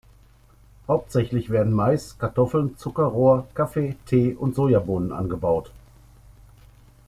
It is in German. Hauptsächlich werden Mais, Kartoffeln, Zuckerrohr, Kaffee, Tee und Sojabohnen angebaut.